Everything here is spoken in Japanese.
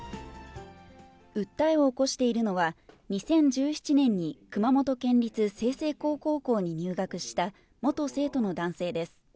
訴えを起こしているのは、２０１７年に熊本県立済々黌高校に入学した元生徒の男性です。